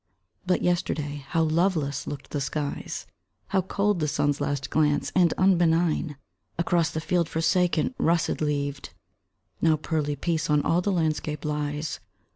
But yesterday, how loveless looked the skies! How cold the sun's last glance, and unbenign, Across the field forsaken, russet leaved! Now pearly peace on all the landscape lies.